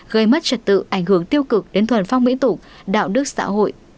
gây mất trật tự ảnh hưởng tiêu cực đến thuần phong mỹ tục đạo đức xã hội